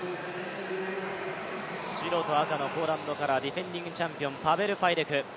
白と赤のポーランドカラー、ディフェンディングチャンピオン、パベル・ファイデク。